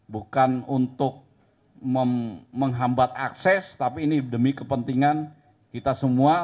bukan untuk menghambat akses tapi ini demi kepentingan kita semua